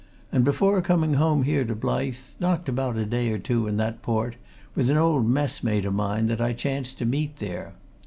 And before coming home here to Blyth, knocked about a day or two in that port with an old messmate o' mine that I chanced to meet there.